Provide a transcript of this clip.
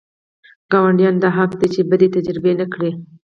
ګاونډیانو دا حق دی چې بدي تجربه نه کړي.